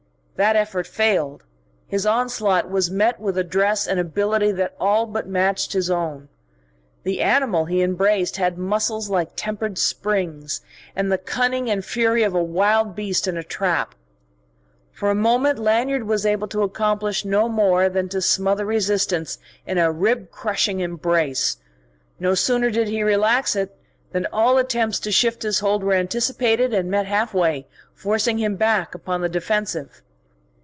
That effort failed; his onslaught was met with address and ability that all but matched his own. The animal he embraced had muscles like tempered springs and the cunning and fury of a wild beast in a trap. For a moment Lanyard was able to accomplish no more than to smother resistance in a rib crushing embrace; no sooner did he relax it than all attempts to shift his hold were anticipated and met half way, forcing him back upon the defensive.